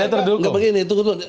tidak ada yang terduku